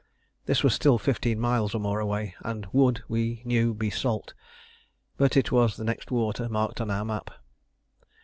This was still fifteen miles or more away, and would, we knew, be salt; but it was the next water marked on our map.